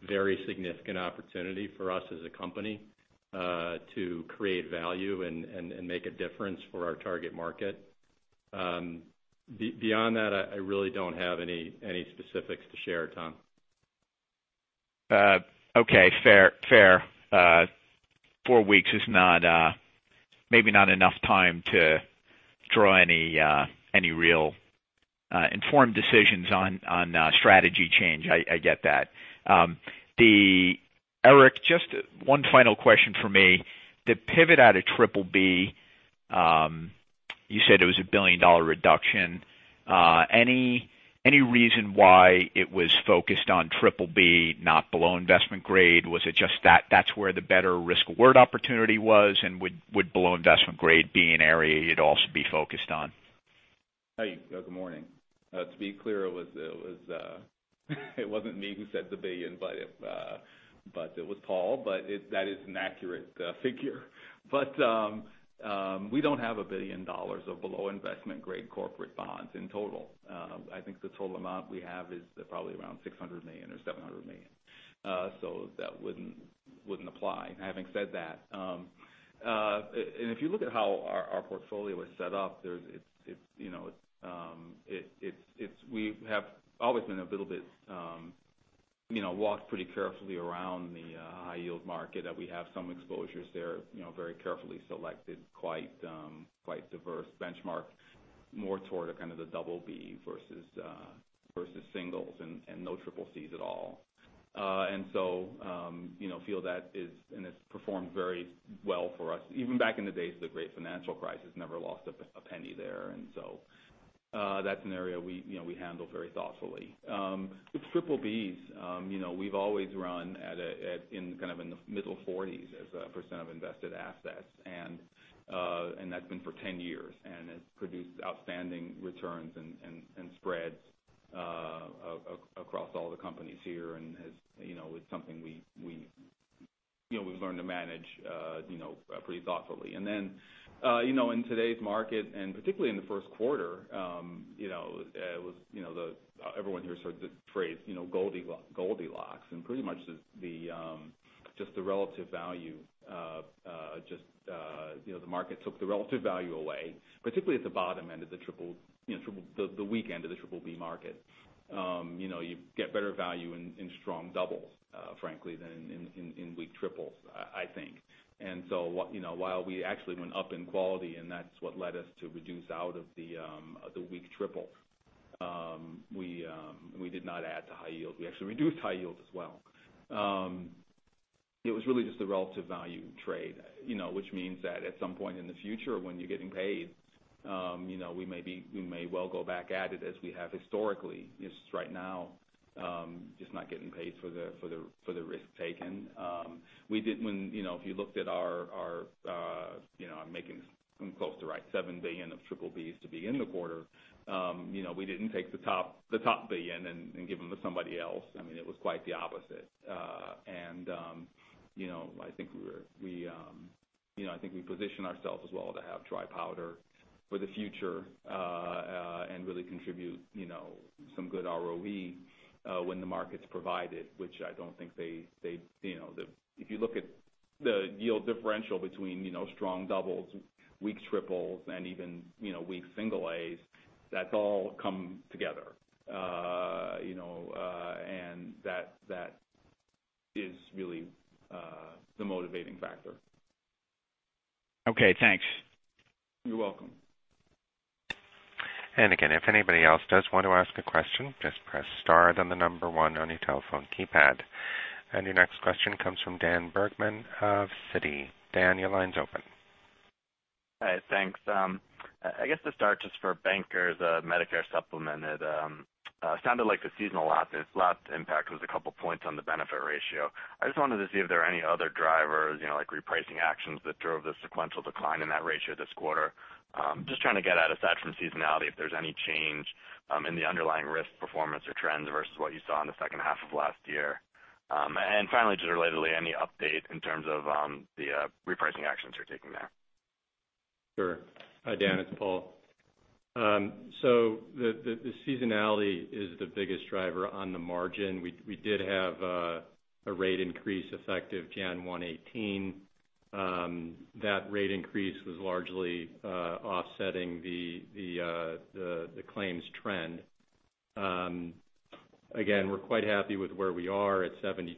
very significant opportunity for us as a company, to create value and make a difference for our target market. Beyond that, I really don't have any specifics to share, Tom. Okay. Fair. Four weeks is maybe not enough time to draw any real informed decisions on strategy change. I get that. Eric, just one final question from me. The pivot out of BBB, you said it was a $1 billion reduction. Any reason why it was focused on BBB, not below investment grade? Was it just that's where the better risk/reward opportunity was? Would below investment grade be an area you'd also be focused on? Hey, good morning. To be clear, it wasn't me who said the $1 billion, but it was Paul. That is an accurate figure. We don't have a $1 billion of below investment-grade corporate bonds in total. I think the total amount we have is probably around $600 million or $700 million. That wouldn't apply. Having said that, if you look at how our portfolio is set up, we have always walked pretty carefully around the high yield market, that we have some exposures there, very carefully selected, quite diverse benchmark, more toward a kind of the BB versus singles, and no triple Cs at all. Feel that is, and it's performed very well for us. Even back in the days of the great financial crisis, never lost a penny there. That's an area we handle very thoughtfully. With BBBs, we've always run kind of in the middle 40s as a % of invested assets. That's been for 10 years, and it's produced outstanding returns and spreads across all the companies here, and it's something we've learned to manage pretty thoughtfully. In today's market, and particularly in the first quarter, everyone here heard the phrase Goldilocks. Pretty much just the relative value. The market took the relative value away, particularly at the weak end of the BBB market. You get better value in strong doubles, frankly, than in weak triples, I think. While we actually went up in quality, and that's what led us to reduce out of the weak triple. We did not add to high yield. We actually reduced high yield as well. It was really just the relative value trade which means that at some point in the future when you're getting paid, we may well go back at it as we have historically. Right now, just not getting paid for the risk taken. If you looked at, I'm close to right, $7 billion of BBBs to be in the quarter. We didn't take the top $1 billion and give them to somebody else. I mean, it was quite the opposite. I think we positioned ourselves as well to have dry powder for the future, and really contribute some good ROE when the market's provided. If you look at the yield differential between strong doubles, weak triples, and even weak single-As, that's all come together. That is really the motivating factor. Okay, thanks. You're welcome. Again, if anybody else does want to ask a question, just press star then the number 1 on your telephone keypad. Your next question comes from Dan Bergman of Citi. Dan, your line's open. All right. Thanks. I guess to start just for Bankers Medicare Supplement, it sounded like the seasonal impact was a couple points on the benefit ratio. I just wanted to see if there are any other drivers, like repricing actions that drove the sequential decline in that ratio this quarter. Just trying to get at, aside from seasonality, if there's any change in the underlying risk performance or trends versus what you saw in the second half of last year. Finally, just relatedly, any update in terms of the repricing actions you're taking there? Sure. Dan, it's Paul. The seasonality is the biggest driver on the margin. We did have a rate increase effective January 1, 2018. That rate increase was largely offsetting the claims trend. Again, we're quite happy with where we are at 72%,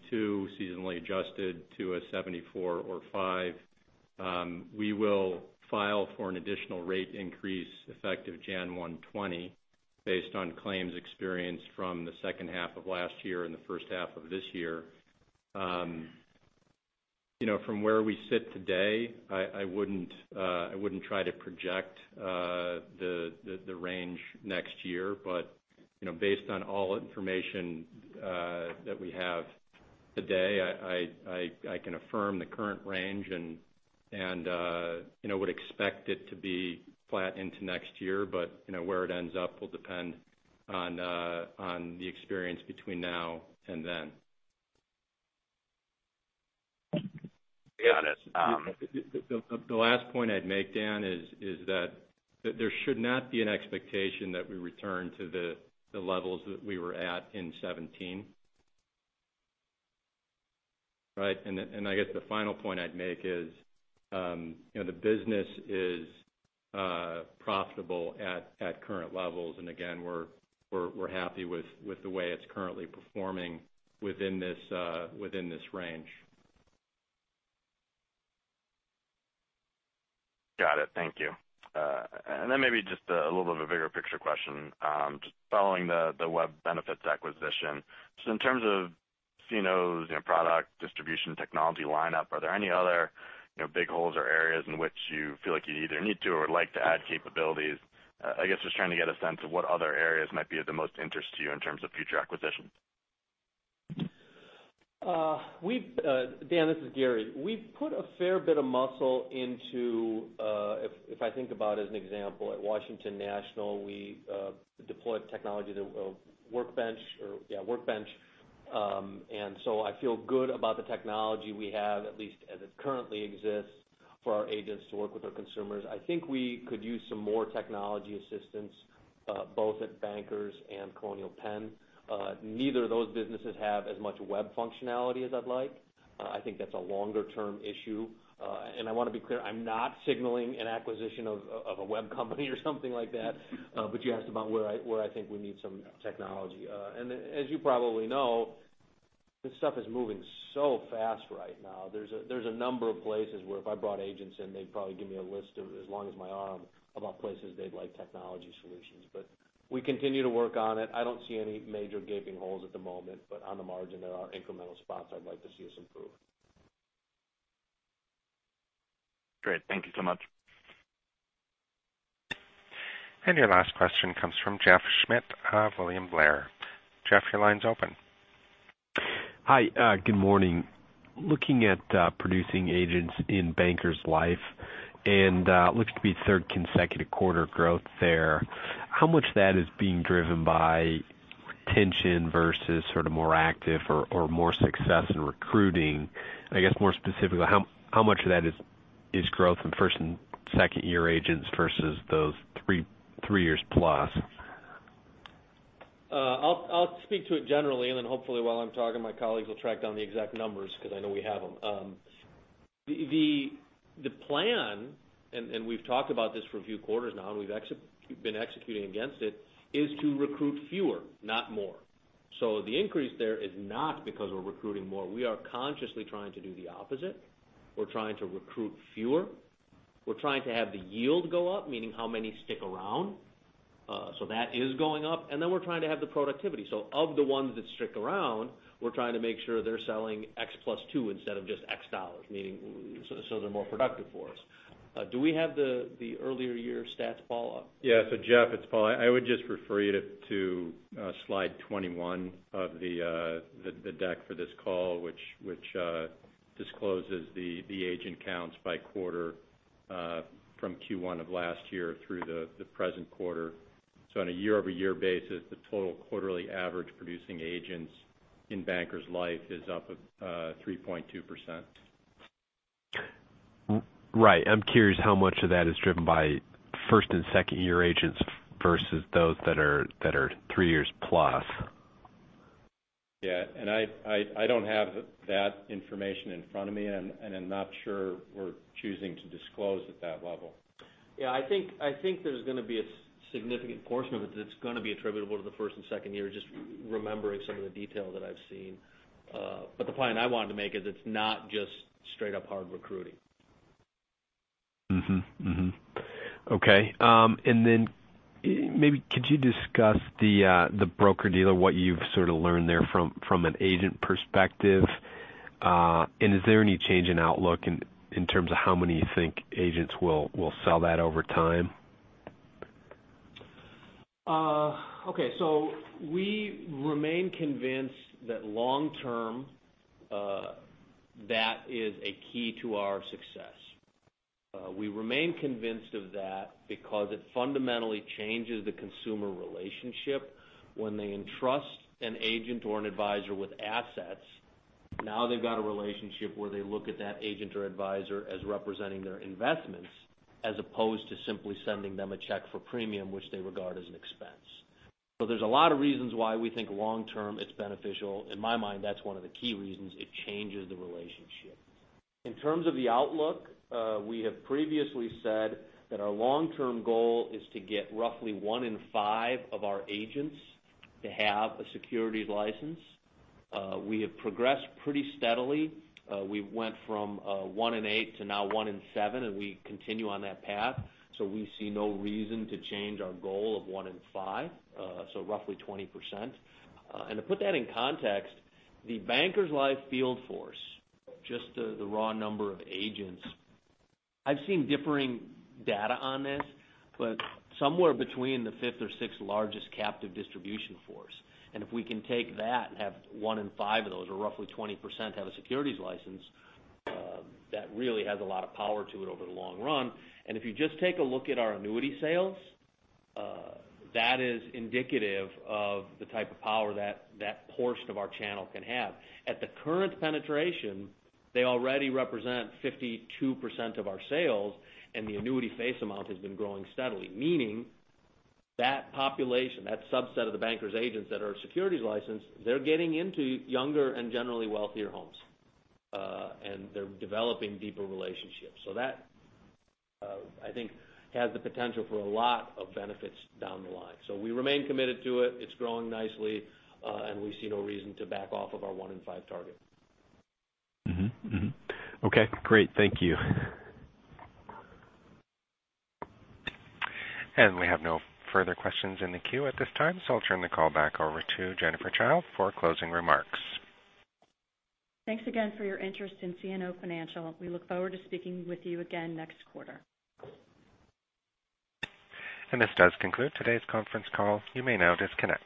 seasonally adjusted to a 74% or 75%. We will file for an additional rate increase effective January 1, 2020, based on claims experience from the second half of last year and the first half of this year. From where we sit today, I wouldn't try to project the range next year, based on all information that we have today, I can affirm the current range and would expect it to be flat into next year. Where it ends up will depend on the experience between now and then. Got it. The last point I'd make, Dan, is that there should not be an expectation that we return to the levels that we were at in 2017. Right? I guess the final point I'd make is the business is profitable at current levels. Again, we're happy with the way it's currently performing within this range. Got it. Thank you. Then maybe just a little bit of a bigger picture question, just following the Web Benefits acquisition. In terms of CNO's product distribution technology lineup, are there any other big holes or areas in which you feel like you either need to or would like to add capabilities? I guess just trying to get a sense of what other areas might be of the most interest to you in terms of future acquisitions. Dan, this is Gary. We've put a fair bit of muscle into, if I think about as an example, at Washington National, we deployed technology to Workbench. I feel good about the technology we have, at least as it currently exists, for our agents to work with our consumers. I think we could use some more technology assistance, both at Bankers and Colonial Penn. Neither of those businesses have as much web functionality as I'd like. I think that's a longer-term issue. I want to be clear, I'm not signaling an acquisition of a web company or something like that, but you asked about where I think we need some technology. As you probably know, this stuff is moving so fast right now. There's a number of places where if I brought agents in, they'd probably give me a list as long as my arm about places they'd like technology solutions. We continue to work on it. I don't see any major gaping holes at the moment, but on the margin, there are incremental spots I'd like to see us improve. Great. Thank you so much. Your last question comes from Jeff Schmitt, William Blair. Jeff, your line's open. Hi, good morning. Looking at producing agents in Bankers Life, and looks to be third consecutive quarter growth there, how much of that is being driven by retention versus more active or more success in recruiting? I guess more specifically, how much of that is growth in first- and second-year agents versus those three years plus? I'll speak to it generally, and then hopefully while I'm talking, my colleagues will track down the exact numbers, because I know we have them. The plan, and we've talked about this for a few quarters now, and we've been executing against it, is to recruit fewer, not more. The increase there is not because we're recruiting more. We are consciously trying to do the opposite. We're trying to recruit fewer. We're trying to have the yield go up, meaning how many stick around. That is going up, and then we're trying to have the productivity. Of the ones that stick around, we're trying to make sure they're selling X plus two instead of just X dollars, meaning so they're more productive for us. Do we have the earlier year stats, Paul? Yeah. Jeff, it's Paul. I would just refer you to slide 21 of the deck for this call, which discloses the agent counts by quarter from Q1 of last year through the present quarter. On a year-over-year basis, the total quarterly average producing agents in Bankers Life is up 3.2%. Right. I'm curious how much of that is driven by first- and second-year agents versus those that are three years plus. Yeah, I don't have that information in front of me. I'm not sure we're choosing to disclose at that level. Yeah, I think there's going to be a significant portion of it that's going to be attributable to the first and second year, just remembering some of the detail that I've seen. The point I wanted to make is it's not just straight up hard recruiting. Okay. Then maybe could you discuss the broker-dealer, what you've sort of learned there from an agent perspective? Is there any change in outlook in terms of how many you think agents will sell that over time? Okay. We remain convinced that long-term, that is a key to our success. We remain convinced of that because it fundamentally changes the consumer relationship when they entrust an agent or an advisor with assets. Now they've got a relationship where they look at that agent or advisor as representing their investments, as opposed to simply sending them a check for premium, which they regard as an expense. There's a lot of reasons why we think long-term it's beneficial. In my mind, that's one of the key reasons: it changes the relationship. In terms of the outlook, we have previously said that our long-term goal is to get roughly one in five of our agents to have a securities license. We have progressed pretty steadily. We went from one in eight to now one in seven, and we continue on that path. We see no reason to change our goal of one in five, so roughly 20%. To put that in context, the Bankers Life field force, just the raw number of agents, I've seen differing data on this, but somewhere between the fifth or sixth largest captive distribution force. If we can take that and have one in five of those, or roughly 20%, have a securities license, that really has a lot of power to it over the long run. If you just take a look at our annuity sales, that is indicative of the type of power that portion of our channel can have. At the current penetration, they already represent 52% of our sales, and the annuity face amount has been growing steadily, meaning that population, that subset of the Bankers' agents that are securities licensed, they're getting into younger and generally wealthier homes. They're developing deeper relationships. That, I think, has the potential for a lot of benefits down the line. We remain committed to it. It's growing nicely. We see no reason to back off of our one in five target. Okay, great. Thank you. We have no further questions in the queue at this time, so I'll turn the call back over to Jennifer Childe for closing remarks. Thanks again for your interest in CNO Financial. We look forward to speaking with you again next quarter. This does conclude today's conference call. You may now disconnect.